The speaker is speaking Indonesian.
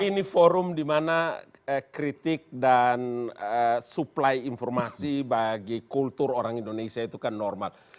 ini forum dimana kritik dan suplai informasi bagi kultur orang indonesia itu kan normal